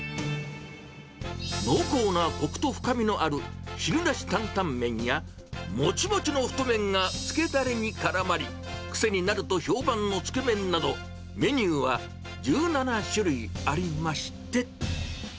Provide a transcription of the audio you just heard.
濃厚なこくと深みのある汁なし担々麺や、もちもちの太麺がつけだれにからまり、癖になると評判のつけめんなど、メニューは１７種類ありまして。